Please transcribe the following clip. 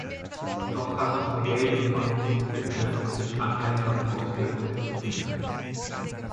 Doch hat das Modell durch die noch durch den Börsencrash anhaltenden Auswirkungen zu kämpfen.